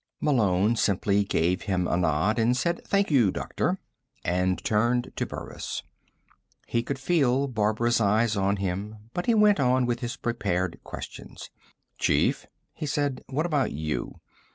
_ Malone simply gave him a nod, and a "Thank you, doctor," and turned to Burris. He could feel Barbara's eyes on him, but he went on with his prepared questions. "Chief," he said, "what about you?